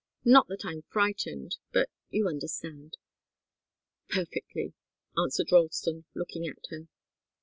Not that I'm frightened but you understand." "Perfectly," answered Ralston, looking at her.